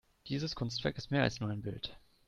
Dieses Kunstwerk ist mehr als nur ein Bild.